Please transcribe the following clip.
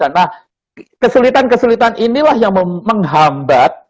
nah kesulitan kesulitan inilah yang menghambat